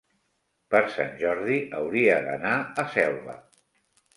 Per Sant Jordi hauria d'anar a Selva.